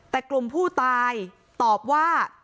แต่กลุ่มผู้ตายตอบว่า